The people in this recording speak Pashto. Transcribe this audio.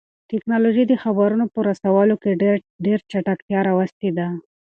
تکنالوژي د خبرونو په رسولو کې ډېر چټکتیا راوستې ده.